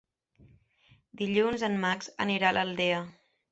Dilluns en Max anirà a l'Aldea.